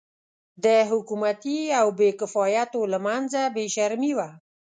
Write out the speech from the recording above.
د حکومتي او بې کفایتو له منځه بې شرمي وه.